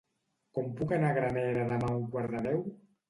Com puc anar a Granera demà a un quart de deu?